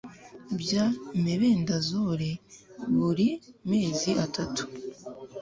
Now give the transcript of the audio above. bya mebendazole buri mezi atatu